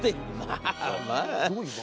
「まあまあ。」